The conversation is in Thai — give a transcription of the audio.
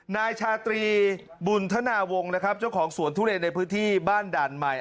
นายชาตรีบุญธนาวงศ์นะครับเจ้าของสวนทุเรียนในพื้นที่บ้านด่านใหม่